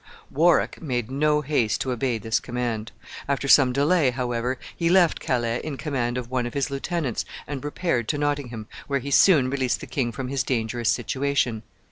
Warwick made no haste to obey this command. After some delay, however, he left Calais in command of one of his lieutenants and repaired to Nottingham, where he soon released the king from his dangerous situation.